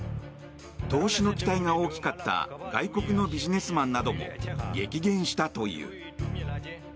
投資の期待が大きかった外国のビジネスマンなども激減したという。